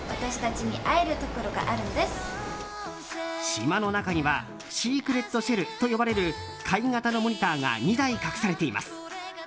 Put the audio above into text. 島の中にはシークレットシェルと呼ばれる貝形のモニターが２台隠されています。